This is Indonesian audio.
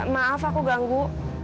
maaf aku ganggu